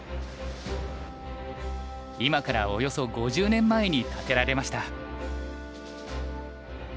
今からおよそ５０年前に建てられました。